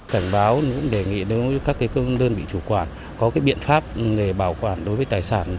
cảnh báo cũng đề nghị đối với các đơn vị chủ quản có biện pháp để bảo quản đối với tài sản